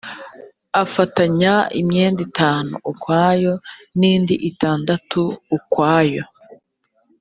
afatanya imyenda itanu ukwayo n indi itandatu ukwayo